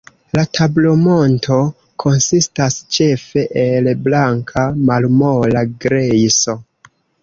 La tablomonto konsistas ĉefe el blanka, malmola grejso.